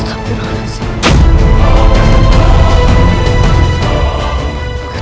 tidak tidak tidak